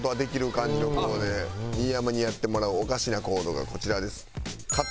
新山にやってもらうおかしな行動がこちらです。